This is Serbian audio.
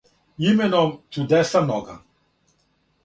именом чудеса многа